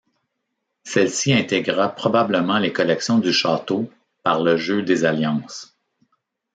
Celle-ci intégra probablement les collections du château par le jeu des alliances.